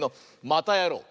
またやろう！